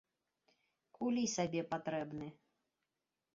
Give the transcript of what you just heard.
Кулі й сабе патрэбны.